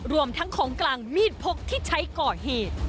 รวมทั้งของกลางมีดพกที่ใช้ก่อเหตุ